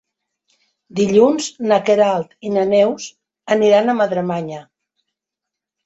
Dilluns na Queralt i na Neus aniran a Madremanya.